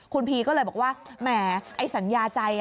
คุณพีก็เลยบอกว่าแหมไอ้สัญญาใจ